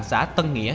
xã tân nghĩa